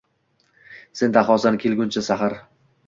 Sen dahosan, kelguncha sahar.